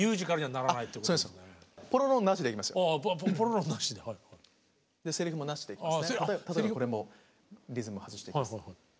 例えばこれもリズム外していきます。